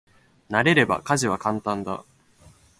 慣れれば家事は簡単だ。